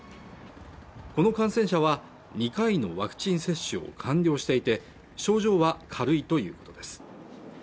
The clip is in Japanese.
この感染者は２回のワクチン接種を完了していて症状は軽いということです